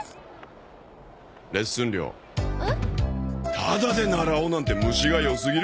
タダで習おうなんて虫が良すぎる。